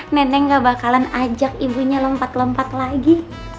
neneng gak bakalan ajak ibunya lompat lompat lagi